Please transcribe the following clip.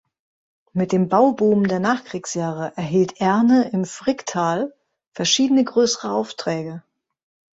Mit dem Bauboom der Nachkriegsjahre erhielt Erne im Fricktal verschiedene grössere Aufträge.